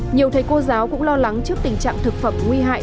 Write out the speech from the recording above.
nhiều thầy cô giáo cũng lo lắng trước tình trạng thực phẩm nguy hại